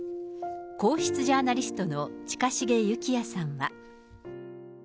皇室ジャーナリストの近重幸哉さんは。